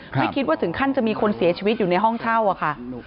ไม่คิดว่าถึงขั้นจะมีคนเสียชีวิตอยู่ในห้องเช่าอะค่ะ